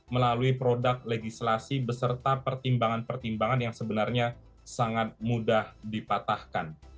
melalui produk legislasi beserta pertimbangan pertimbangan yang sebenarnya sangat mudah dipatahkan